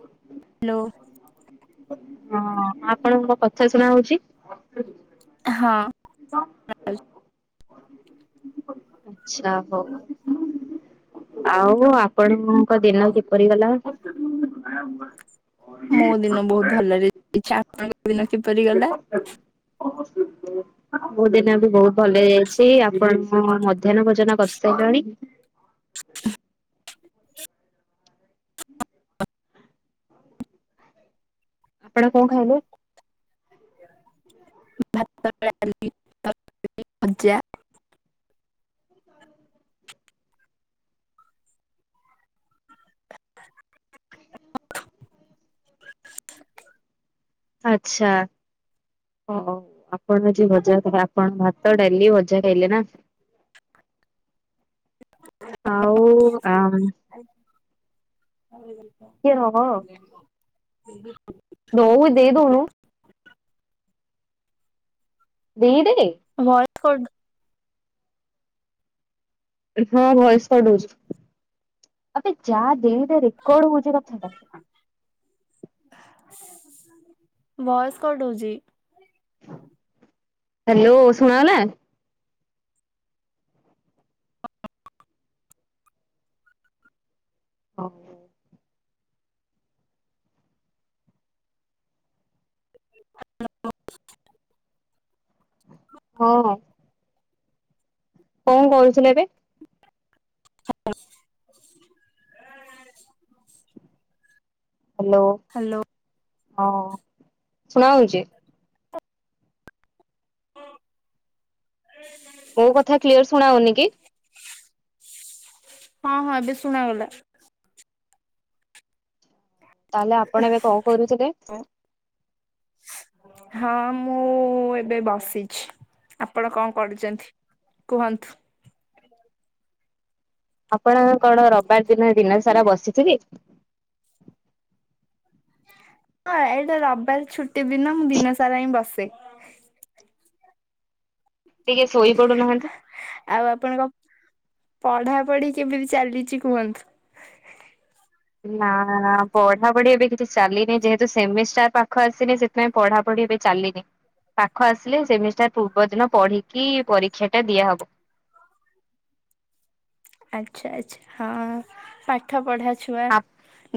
ହ ହ୍ୟାଲୋ। ହଁ ଆପଣଙ୍କ କଥା ଶୁଣା ହଉଛି। ହଁ ଆଚ୍ଛା ହଉ। ଆଉ ଆପଣଙ୍କ ଦିନ କିପରି ଗଲା? ମୋ ଦିନ ବହୁତ ଭଲରେ ଯାଇଛି। ଆପଣଙ୍କ ଦିନ କିପରି ଗଲା? [inaudible] ମୋ ଦିନ ବି ବହୁତ ଭଲ ହେଇ ଯାଇଛି। ଆପଣ ମଧ୍ୟାହ୍ନ ଭୋଜନ କରିସାରିଲଣି? [inaudible] ଆପଣ କଣ ଖାଇଲେ? ଭାତ, ଡାଲି, [unintelligible] ଭଜା। ଆଚ୍ଛା। ଓ ହୋ ଆପଣ ଆଜି ଭଜା [unintelligible] ଆପଣ ଭାତ ଡାଲି ଭଜା ଖାଇଲେ ନା। [inaudible] ଆଉ ଆ। [unintelligible] ବୋଉକୁ ଦେଇ ଦଉନୁ। [inaudible] ଦେଇ ଦେ। ଭଏସ କଟ୍ ହଁ ଭଏସ କଟ୍ ହଉଛି। ଆବେ ଯା ବେ। ରେକର୍ଡ ହଉଚି କଥା ଟା। ଭଏସ କଟ ହଉଛି। ହଁ ହ୍ୟାଲୋ ଶୁଣାଗଲା? ହଉ। ହଁ। କଣ କରୁଥିଲେ ଏବେ? ହଁ। ହ୍ୟାଲୋ ହଁ ଶୁଣାଯାଉଚି। ହ ମୋ କଥା କ୍ଲିୟର ଶୁଣା ହଉନି କି? ହଁ ହଁ ଏବେ ଶୁଣା ଗଲା। ତାହେଲେ ଆପଣ ଏବେ କଣ କରୁଥିଲେ? ହଁ ମୁଁ ଏବେ ବସିଛି। ଆପଣ କଣ କରୁଛନ୍ତି କୁହନ୍ତୁ? ଆପଣଙ୍କର କଣ ରବିବାର ଦିନ ଦିନ ସାରା ବସିଥିବେ? ହଁ ଏଇଟା ରବିବାର ଛୁଟି ଦିନ ମୁଁ ଦିନ ସାରା ହିଁ ବସେ। ଟିକେ ଶୋଇ ପଡୁନାହାନ୍ତି। ପଢାପଢି କେବେ ବି ଚାଲିଛି କୁହନ୍ତୁ? ନା- ନା -ନା ପଢାପଢି ଏବେ କିଛି ଚାଲିନି ଯେହେତୁ ସେମିଷ୍ଟାର ପାଖ ଆସିନି ସେଥିପାଇଁ ପଢାପଢି ଏବେ ଚାଲିନି। ପାଖ ଆସିଲେ ସେମିଷ୍ଟାର ପୂର୍ବ ଦିନ ପଢିକି ପରୀକ୍ଷା ଟା ଦିଆହବ। [unintelligible] ଆଛା ଆଚ୍ଛା ହଁ ପାଠ ପଢା ଛୁଆ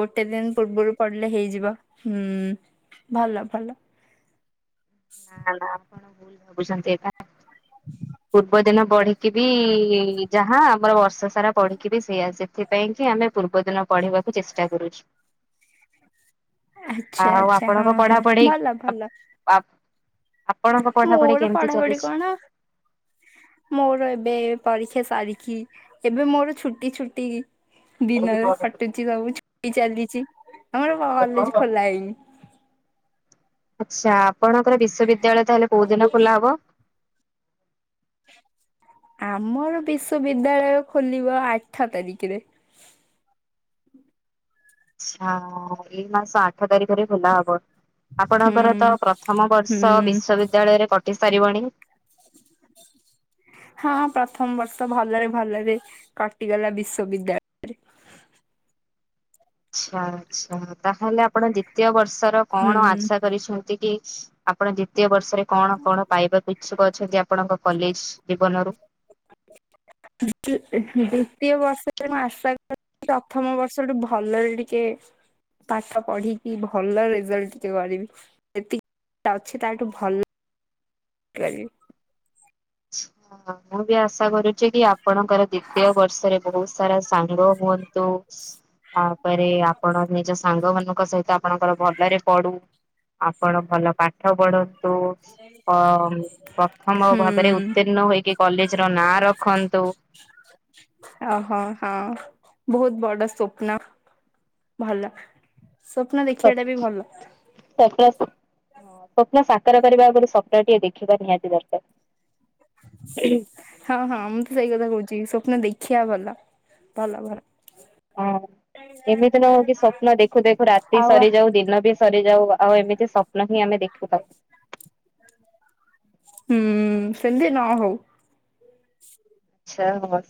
ଗୋଟେ ଦିନ ପୂର୍ବରୁ ପଡିଲେ ହେଇଯିବ ହୁଁ ଭଲ ଭଲ। ନା ନା ଆପଣ ଭୁଲ ଭାବୁଛନ୍ତି ଏଇଟା ପୂର୍ବ ଦିନ ବଢିକି ବି ଯାହା ଆମର ବର୍ଷ ସାରା ପଢିକି ସେଇ ଆସେ। ସେଥିପାଇଁ କି ଆମେ ପୂର୍ବ ଦିନ ପଢିବାକୁ ଚେଷ୍ଟା କରୁଛୁ। ଆଚ୍ଛା ଆଉ ଆଚ୍ଛା ହଁ ଆପଣଙ୍କ ହଁ ପଢାପଢି? ଭଲ ଭଲ [unintelligible] ଆପଣଙ୍କ ପଢାପଢି ମୋର କେମିତି ପଢାପଢି ଚାଲିଛି? କଣ ମୋର ଏବେ ପରୀକ୍ଷା ସାରିକି ଏବେ ମୋର ଛୁଟି ଛୁଟି ଦିନରେ କଟୁଛି ସବୁ ଛୁଟି ଚାଲିଛି। ଆମର କଲେଜ ଖୋଲା ହେଇନି। ଆଚ୍ଛା ଆପଣଙ୍କର ବିଶ୍ଵବିଦ୍ୟାଳୟ ତାହେଲେ କୋଉ ଦିନ ଖୋଲା ହବ? ଆମର ବିଶ୍ବବିଦ୍ୟାଳୟ ଖୋଲିବ ଆଠ ତାରିଖରେ। ଆଛା ଏଇ ମାସ ଆଠ ତାରିଖରେ ଖୋଲା ହବ। ହୁଁ ଆପଣଙ୍କର ତ ପ୍ରଥମ ବର୍ଷ ହୁଁ ବିଶ୍ଵବିଦ୍ୟାଳୟରେ କଟି ସାରିବଣି? [unintelligible] ହଁ ପ୍ରଥମ ବର୍ଷ ଭଲରେ ଭଲରେ କଟିଗଲା ବିଶ୍ବବିଦ୍ୟାଳୟରେ। [unintelligible] ଆଚ୍ଛା ଆଚ୍ଛା ତାହେଲେ ଆପଣ ଦ୍ଵିତୀୟ ବର୍ଷର ହୁଁ କଣ ଆଶା କରିଛନ୍ତି? ଆପଣ ଦିତୀୟ ବର୍ଷରେ କଣ କଣ ପାଇବାକୁ ଇଛୁକ ଅଛନ୍ତି ଆପଣଙ୍କ କଲେଜ ଜୀବନରୁ [unintelligible] ଦ୍ଵିତୀୟ ବର୍ଷରେ ମୁଁ ଆଶା ପ୍ରଥମ ବର୍ଷ ଟୁ ଭଲରେ ଟିକେ ପାଠ ପଢିକି ଭଲ ରେଜଲ୍ଟ ଟିକେ କରିବି ସେତିକି ତା ଅଛି ତା ଠୁ ଭଲ କରିବି ହ ମୁଁ ବି ଆଶା କରୁଚି କି ଆପଣଙ୍କର ଦିତୀୟ ବର୍ଷରେ ବହୁତ ସାରା ସାଙ୍ଗ ହୁଅନ୍ତୁ। ତାପରେ ଆପଣ ନିଜ ସାଙ୍ଗ ମାନଙ୍କ ସହିତ ଆପଣଙ୍କର ଭଲରେ ପଡୁ। ଆପଣ ଭଲ ପାଠ ପଢନ୍ତୁ ଅ ପ୍ରଥମ ଭ ରେ ହୁଁ ଉତ୍ତୀର୍ଣ୍ଣ ହୋଇକି କଲେଜ ର ନାଁ ରଖନ୍ତୁ। ଓହୋ ହଁ ବହୁତ ବଡ ସ୍ୱପ୍ନ ଭଲ। ସ୍ୱପ୍ନ ଦେଖିବା ଟା ବି ଭଲ ସ୍ଵ-ସ୍ୱପ୍ନ ହଁ ସ୍ବପ୍ନ ସା କାର କରିବା ଆଗରୁ ସ୍ୱପ୍ନ ଟିକେ ଦେଖିବା ନିହାତି ଦରକାର। ହଁ ହଁ ମୁଁ ତ ସେଇ କଥା କହୁଚି ସ୍ଵ ପ୍ନ ଦେଖିବା ଭଲ ଭଲ ଭଲ। ହଁ ଏମିତି ନ ହଉ କି ସ୍ୱପ୍ନ ଦେଖୁ ଦେଖୁ ରାତି ଆଉ ସରିଯାଉ ଦିନ ବି ସରିଯାଉ ଆଉ ଏମିତି ସ୍ୱପ୍ନ ହିଁ ଆମେ ଦେଖିପାଉ। ହୁଁ ସେମିତି ନ ହଉ ଆଛା ହ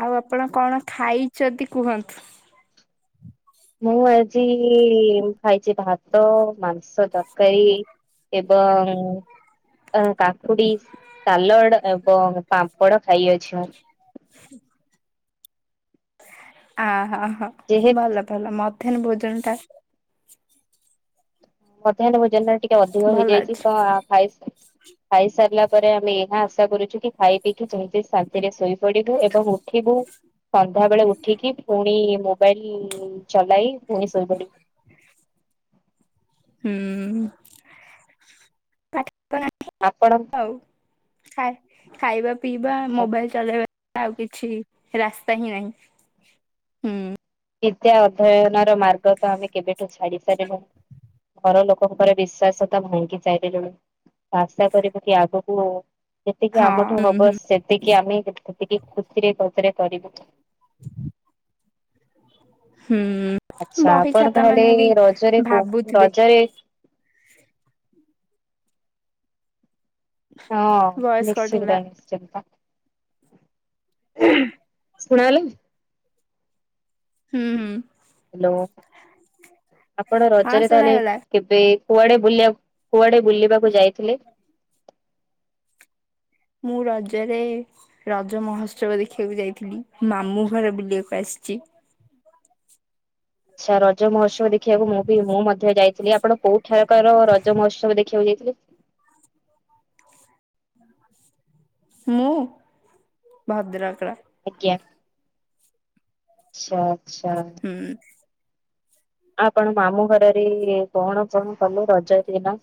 ଆଉ ଆପଣ କଣ ଖାଇଚନ୍ତି କୁହ ମୁଁ ଆଜି ଖାଇଚି ଭାତ ମାଂସ ତରକାରୀ। ଏବଂ କାକୁଡି। ସାଲଡ ଏବଂ ପାମ୍ପଡ଼ ଖାଇଅଛି ମୁଁ। ଆହୋ ହୋ ଯେହେତୁ ଭଲ ଭଲ ମଧ୍ୟାହ୍ନ ଭୋଜନ ଟା ମଧ୍ୟାହ୍ନ ଭୋଜନ ଟା ଟିକେ ଅଧିକ ଭଲ ହେଇଯାଇଚି ଅଛି ତ ଖାଇ ଖାଇ ସାରିଲା ପରେ ଆମେ ଏହା ଆଶା କରୁଚୁ କି ଖାଇ ପିଇକି ଯେମତି ଶାନ୍ତିରେ ଶୋଇ ପଡିବୁ ଏବଂ ଉଠିବୁ। ସନ୍ଧ୍ୟା ବେଳେ ଉଠିକି ପୁଣି ମୋ ବାଇଲ ଚଲାଇ ପୁଣି ଶୋଇପଡିବୁ। ହୁଁ [unintelligible] ଆପଣ ଆଉ। ଖାଇ ଖାଇବା ପିଇବା ମୋବାଇଲ ଚଲେଇବା ଆଉ କିଛି ରାସ୍ତା ହିଁ ନାହିଁ ହୁଁ। ବିଦ୍ୟା ଅଧ୍ୟୟନ ର ମାର୍ଗ ତ ଆମେ କେବେଠୁ ଛାଡି ସାରିଲୁଣୁ ଘର ଲୋକଙ୍କ ବିଶ୍ଵାସ ତ ଭାଙ୍ଗି ସାରିଲୁଣୁ। ଆଶା କରିବୁ କି ଆଗକୁ ଯେତିକି ଆମଠୁ ହଁ ହବ ସେତିକି ଆମେ ସେତିକି ଖୁସିରେ ଗଜରେ କରିବୁ। ହୁଁ ଆଚ୍ଛା ବହି ଆପଣ ଖାତା ତାହେଲେ ମାନେ ବି ରଜରେ କୋଉ ଭାବୁଥୁବେ। ରଜରେ ହ ହଁ ଭଏସ୍ କଟ୍ ହେଲା ନିଶ୍ଚିତା ନିଶ୍ଚିତା। ସୁଣାଗଲା କି? ହୁଁ ହୁଁ। ହାଲୋ ଆପଣ ହଁ ରଜରେ ତାହେଲେ ଶୁଣାଗଲା କେବେ କୁଆଡେ ବୁଲିବାକୁ କୁଆଡେ ବୁଲିବାକୁ ଯାଇ [unintelligible] ମୁଁ ରଜରେ ରଜ ମହୋତ୍ସବ ଦେଖିବାକୁ ଯାଇଥିଲି ମାମୁଁ ଘର ବୁଲିବାକୁ ଆସିଚି। ଆଛା ରଜ ମହୋତ୍ସବ ଦେଖିବାକୁ ମୁଁ ବି ମୁଁ ମଧ୍ୟ ଯାଇଥିଲି ଆପଣ କୋଉ ଏଠାରକାର ରଜ ମହୋତ୍ସବ ଦେଖିବାକୁ ଯାଇଥିଲି। ମୁଁ ଭଦ୍ରକର। ଆଜ୍ଞା ଆଛା ଆଛା। ହୁଁ ଆପଣ ମାମୁଁ ଘରରେ କଣ କଣ କଲୁ ରଜା ଦିନ?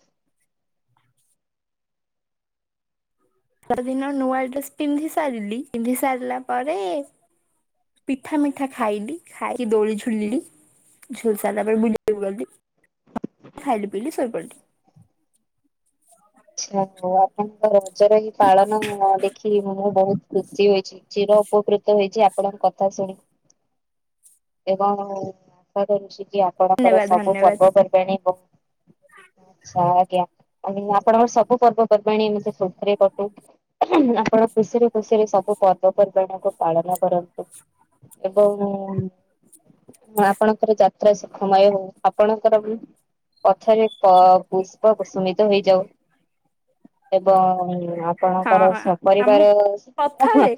ଜ ଦିନ ନୂଆ ଡ୍ରେସ ପିନ୍ଧି ସାରିଲି ପିନ୍ଧି ସାରିଲା ପରେ ପିଠା ମିଠା ଖାଇଲି ଖାଇକି ଦୋଳି ଝୁଲିଲି ଝୁଲ ସାରିଲା ପରେ ବୁଲି ବାକୁ ଗଲି। ଖାଇଲି ପିିଲି ସୋଇପଇଲି। ଆଛା ହଉ ଆପଣଙ୍କ ରଜର ହି ପାଳନ ଅଁ ଦେଖି ମୁଁ ବହୁତ ଖୁସି ହୋଇଚି ଚିର ଉପକୃତ ହେଇଚି ଆପଣଙ୍କ କଥା ଶୁଣି ଏବଂ [unintelligible] ଆପଣଙ୍କର ଧନ୍ୟବାଦ ସବୁ ଧନ୍ୟବାଦ ପର୍ବପର୍ବାଣୀ ଆଛା ଆଜ୍ଞା [unintelligible] ପର୍ଣି ଖୁସିରେ କଟୁ ଆପଣ ଖୁସିରେ ଖୁସିରେ ସବୁ ପର୍ବପର୍ବାଣ କ ପାଳନ କରନ୍ତୁ ଏବଂ ହଁ ଆପଣଙ୍କର ଯାତ୍ରା ସୁଖମୟ ହଉ ଆପଣଙ୍କର ପଥରେ ପ-ପୁଷ୍ପ ଷମିତ ହେଇଯାଉ। ଏବଂ ହଁ ଆପଣଙ୍କର ସ ଆମ ପରରିବାର ପଥରେ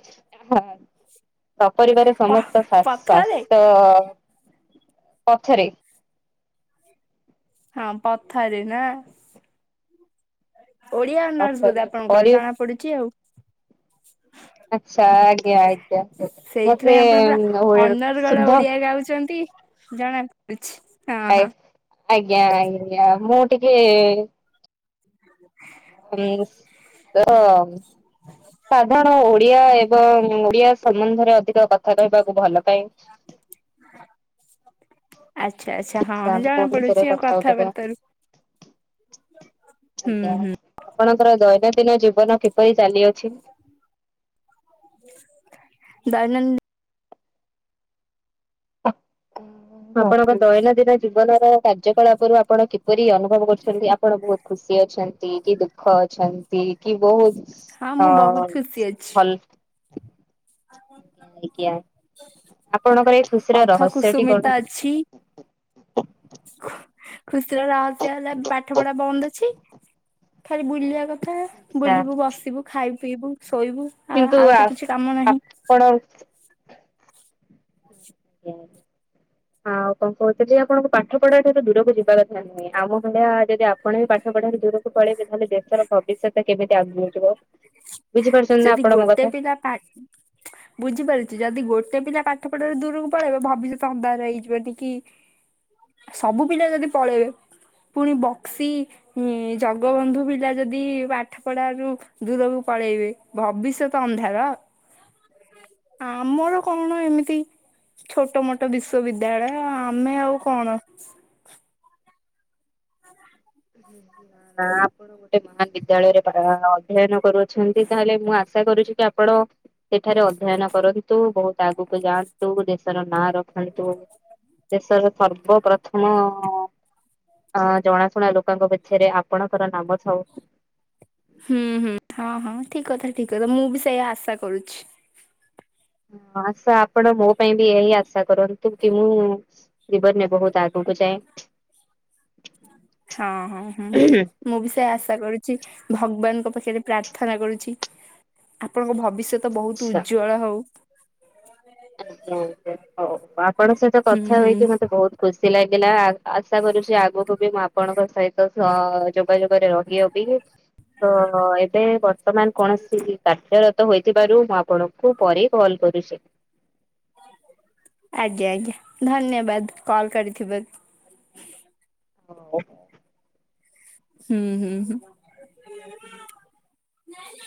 ସପରିବାର ପ ସମସ୍ତ ପଥରେ ସ୍ୱା-ସ୍ୱାସ୍ଥ୍ୟ ପଛରେ ହଁ ପଥାରେ ନା ଓଡିଆ ନର୍ସ ପଥରେ ବୋଧେ ଆପଣଙ୍କର ପରି ଜଣା ପଡୁଛି ଆଉ। ଆଚ୍ଛା ଆଜ୍ଞା ଆଜ୍ଞା ମତେ ସେଇଥିପାଇଁ ଆପଣ ପୁରା ଅନର୍ଗଳ ଶୁଦ୍ଧ ଓଡିଆ ଗାଉଛନ୍ତି ଜଣା ପଡୁଛି। ହଁ ଆ ହଁ ଆଜ୍ଞା ଆଜ୍ଞା ମୁଁ ଟିକେ [unintelligible] ସାଧାରଣ ଓଡିଆ ଏବଂ ଓଡିଆ ସମ୍ବନ୍ଧରେ ଅଧିକ କ [unintelligible] ଆଚ୍ଛା ଆଚ୍ଛା ହଁ ସାର୍ ଜଣା କୋଉ ବିଷୟରେ ପଡୁଛି ଆଉ କଥା ହଉଥିଲେ କଥାବାର୍ତ୍ତାରୁ ହୁଁ ଆଜ୍ଞା ହୁଁ ଆପଣଙ୍କର ଦୈନନ୍ଦିନ ଜୀବନ କିପରି ଚାଲିଅଛି? ଦୈନ ଆପଣଙ୍କ ଦୈନନ୍ଦିନ ଜୀବନର କାର୍ଯ୍ୟକଳାପରୁ ଆପଣ କିପରି ଅନୁଭବ କରୁଛନ୍ତି ଆପଣ ବହୁତ ଖୁସି ଅଛନ୍ତି କି ଦୁଃଖ ଦୁଃଖ ଅଛନ୍ତି କି ବହୁତ ହଁ ଅ ମୁଁ ବହୁତ ଖୁସି ଅଛି ଭଲ ଆଜ୍ଞା ଆପଣଙ୍କର ଏ ପଥ କୁସୁମିତ ଅଛି। ଖୁସିର ରହସ୍ୟ ହେଲା ପାଠ ପଢା ବନ୍ଦ ଅଛି। ଖାଲି ବୁଲିବା କଥା ଆଛା ବୁଲିବୁ, ବସିବୁ, ଖାଇବୁ, ପିଇବୁ। ଶୋଇବୁ ଆ କିନ୍ତୁ ଆଉ ତ କିଛି କାମ ନାହିଁ। ଆପଣ [unintelligible] ହଁ ଆଉ କଣ କହୁଛ ଯେ ଆପଣଙ୍କୁ ପାଠ ପଢ଼ିବାକୁ ଏତେ ଦୂରକୁ ଯିବା କଥା ନୁହେଁ ଆମ ଭଳିଆ ଯଦି ଆପଣ ବି ପାଠ ପାଠ ପଢାରୁ ଦୂରକୁ ପଳେଇବେ ତାହେଲେ ଦେଶର ଭବିଷ୍ୟତ କେମିତି ଆଗକୁ ଯିବ। ବୁଝିପାରୁଛନ୍ତି ନା ଯଦି ଆପଣ ମୋ ଗୋଟେ କଥା? ପିଲା ପା ବୁଝିପାରୁଛି ଯଦି ଗୋଟେ ଟେ ପିଲା ପାଠ ପଢାରୁ ଦୂରକୁ ପଳେଇବ ଭବିଷ୍ୟତ ଅନ୍ଧାର ହେଇଯିବ ଟି କି ସବୁ ପିଲା ଯଦି ପଳେଇବେ ପୁଣି ଇଁ ବକ୍ସି ଜଗବନ୍ଧୁ ପିଲା ଯଦି ପାଠ ପଢାରୁ ଦୂରକୁ ପଳେଇବେ ଭବିଷ୍ୟତ ଅନ୍ଧାର। ଆମର କଣ ଏମିତି ଛୋଟ ମୋଟ ବିଶ୍ଵବିଦ୍ୟାଳୟ ଆମେ ଆଉ କଣ ନା ଆପଣ ଗୋଟେ ମହାବିଦ୍ୟାଳୟରେ ପ ଅଧ୍ୟୟନ କରୁଛନ୍ତି ତାହେଲେ ମୁଁ ଆଶା କରୁଛି କି ଆପଣ ତ ସେଠାରେ ଅଧ୍ୟୟନ କରନ୍ତୁ ବହୁତ ଆଗକୁ ଯାଆନ୍ତୁ ଦେଶର ନାଁ ରଖ [unintelligible] ଦେଶର ସର୍ବପ୍ରଥମ ଅ ଜଣାଶୁଣା ଲୋକଙ୍କ ପଛରେ ଆପଣଙ୍କର ନାମ? ଥାଉ। ହୁଁ ହୁଁ ହଁ ହଁ ଠିକ୍ କଥା। ଠିକ୍ କଥା ମୁଁ ବି ସେଇଆ ଆଶା କରୁଛି। ହଁ ଆଶା ଆପଣ ମୋ ପାଇଁ ବି ଏଇ ଆଶା କରନ୍ତୁ କି ମୁଁ ଜୀବନରେ ବହୁତ୍ ଆଗକୁ ଯାଏ। ହଁ ହଁ ହୁଁ ଆଚ୍ଛା। ମୁଁ ବି ସେୟା ଆଶା କରୁଛି। ଭଗବାନଙ୍କ ପାଖରେ ପ୍ରାର୍ଥନା କରୁଛି ଆପଣଙ୍କ ଭବି ଷ୍ୟତ ତ ବହୁତ୍ ଉଜ୍ୱଳ ହଉ। ଆଜ୍ଞା ଆଜ୍ଞା ହଉ ଆପଣଙ୍କ ସହିତ ହୁଁ କଥା ହୁଁ ହୋଇକି ମତେ ବହୁତ୍ ଖୁସି ସି ଲାଗିଲା ଆଶା କରୁଛି ଆଗକୁ ବି ମୁଁ ଆପଣଙ୍କ ସହିତ ଯୋ ଯୋଗାଯୋଗରେ ରହିଅବି ତ ଏବେ ବର୍ତ୍ତମାନ କୌଣସି କାର୍ଯ୍ୟର ହୋଇଥିବାରୁ ମୁଁ ଆପଣଙ୍କୁ ପରେ କଲ କରୁଚି। [inaudible] ଆଜ୍ଞା ଆଜ୍ଞା ଧନ୍ୟବାଦ କଲ କରିଥିବାରୁ। [unintelligible] ହୁଁ ହୁଁ ହୁଁ।